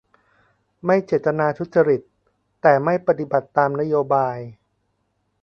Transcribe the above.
ไม่เจตนาทุจริตแต่ไม่ปฏิบัติตามนโยบาย !